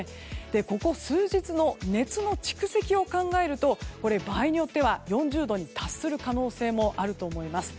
ここ数日の熱の蓄積を考えると場合によっては４０度に達する可能性もあると思います。